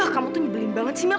kamu tuh nyebelin banget sih mak